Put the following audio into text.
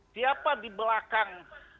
siapa di belakang